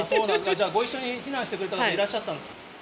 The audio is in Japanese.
じゃあ、ご一緒に避難してくれた方がいらっしゃはい。